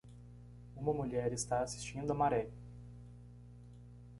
Uma mulher está assistindo a maré